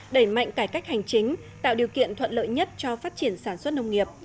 đẩy mạnh cải cách hành chính tạo điều kiện thuận lợi nhất cho phát triển sản xuất nông nghiệp